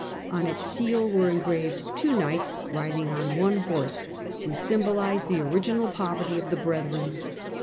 On its seal were engraved two knights riding on one horse, to symbolize the original poverty of the brethren.